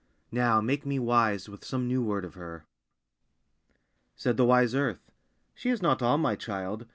Now make me wise with some new word of Her." Said the wise earth "She is not all my child.